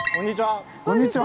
こんにちは。